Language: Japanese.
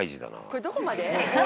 これどこまで？